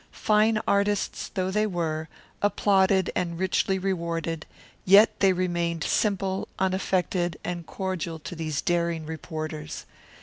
Fine artists though they were, applauded and richly rewarded, yet they remained simple, unaffected, and cordial to these daring reporters.